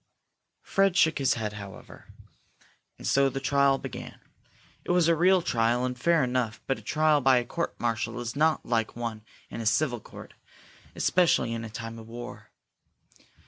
Fred shook his head, however. And so the trial began. It was a real trial, and fair enough, but a trial by court martial is not like one in a civil court, especially in time of war.